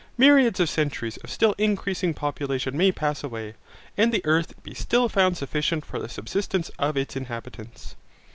Myriads of centuries of still increasing population may pass away, and the earth be still found sufficient for the subsistence of its inhabitants.